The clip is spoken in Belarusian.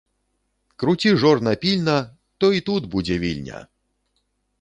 Круці жорна пільна, то і тут будзе Вільня!